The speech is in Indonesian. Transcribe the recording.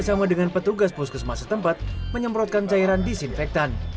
bekerja sama dengan petugas puskesmas setempat menyemprotkan cairan disinfektan